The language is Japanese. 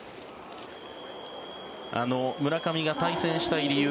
村上が対戦したい理由